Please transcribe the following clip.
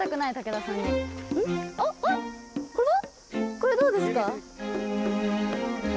これはどうですか？